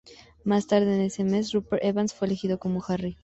Más tarde ese mismo mes, Rupert Evans fue elegido como Harry.